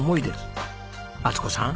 充子さん